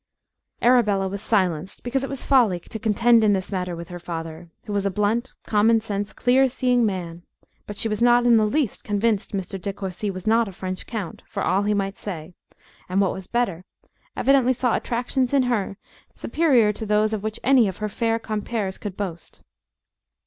Arabella was silenced because it was folly to contend in this matter with her father, who was a blunt, common sense, clear seeing man; but she was not in the least convinced Mr. De Courci was not a French count for all he might say, and, what was better, evidently saw attractions in her superior to those of which any of her fair compeers could boast.